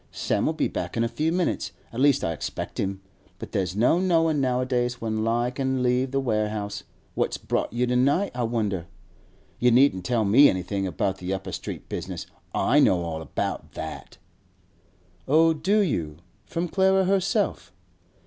Sam'll be back in a few minutes; at least I expect him, but there's no knowin' nowadays when he can leave the warehouse. What's brought you to night, I wonder? You needn't tell me anything about the Upper Street business; I know all about that!' 'Oh, do you? From Clara herself?